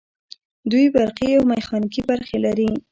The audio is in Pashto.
دوی برقي او میخانیکي برخې لري.